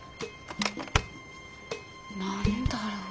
何だろう。